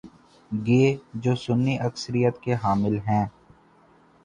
گے جو سنی اکثریت کے حامل ہیں؟